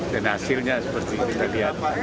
dan hasilnya seperti kita lihat